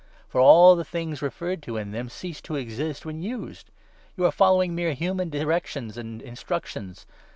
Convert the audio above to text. For all the things referred to in them cease to exist 22 when used. You are following mere human directions and instructions.